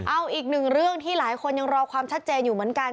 เอาอีกหนึ่งเรื่องที่หลายคนยังรอความชัดเจนอยู่เหมือนกัน